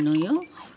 はい。